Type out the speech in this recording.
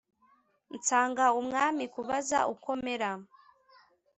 nsanga umwami kubaza uko mera